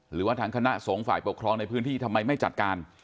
หรือว่าทางคณะสงฆ์ฝ่ายปกครองในพื้นที่ทำไมไม่จัดการ